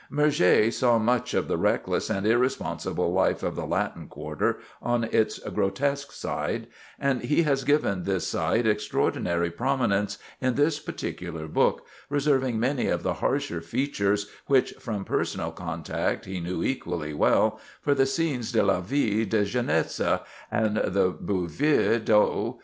Murger saw much of the reckless and irresponsible life of the Latin Quarter on its grotesque side, and he has given this side extraordinary prominence in this particular book, reserving many of the harsher features, which from personal contact he knew equally well, for the "Scenes de la Vie de Jeunesse" and the "Buveurs d'Eau."